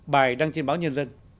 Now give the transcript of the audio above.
bài đăng trên báo nhân dân